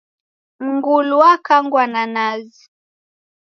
Mngulu wakangwa na nazi